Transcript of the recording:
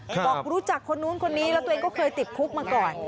บอกรู้จักคนนู้นคนนี้แล้วตัวเองก็เคยติดคุกมาก่อน